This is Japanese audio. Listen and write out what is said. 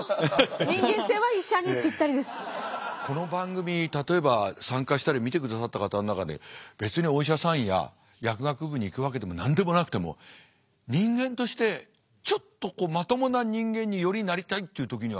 この番組例えば参加したり見てくださった方の中で別にお医者さんや薬学部に行くわけでも何でもなくても人間としてちょっと勉強になる。